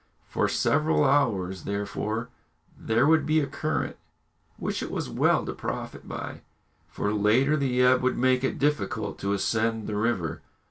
For several hours, therefore, there would be a current, which it was well to profit by, for later the ebb would make it difficult to ascend the river.